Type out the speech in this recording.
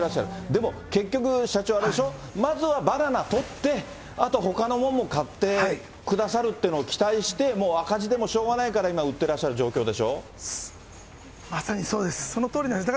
でも結局社長、あれでしょ、まずはバナナ取って、あとでほかのものも買ってくださるというのを期待して、もう赤字でもしょうがないから、今売ってらっしゃる状況でまさにそうです、そのとおりなんです。